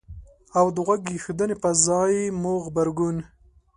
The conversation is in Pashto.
او د غوږ ایښودنې په ځای مو غبرګون